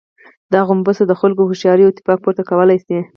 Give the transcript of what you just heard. دا غومبسه د خلکو هوښياري او اتفاق، پورته کولای شي.